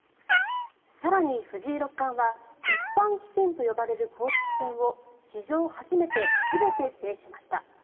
更に、藤井六冠は一般棋戦と呼ばれる公式戦を史上初めて全て制しました。